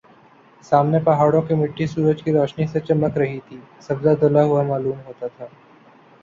سامنے پہاڑوں کی مٹی سورج کی روشنی سے چمک رہی تھی سبزہ دھلا ہوا معلوم ہوتا تھا